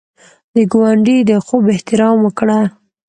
د ګاونډي د خوب احترام وکړه